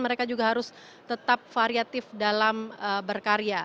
mereka juga harus tetap variatif dalam berkarya